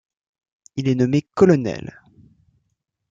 Il est nommé colonel.